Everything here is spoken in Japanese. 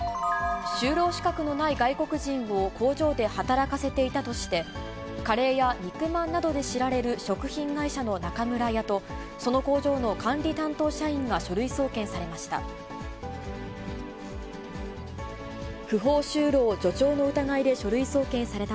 就労資格のない外国人を工場で働かせていたとして、カレーや肉まんなどで知られる食品会社の中村屋と、その工場の管理担当社員が書類送検されました。